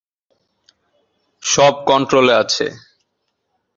সব কন্ট্রোলে আছে?